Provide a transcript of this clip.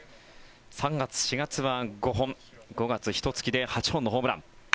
３月、４月は５本５月、ひと月で８本のホームラン。